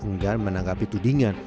enggan menanggapi tudingan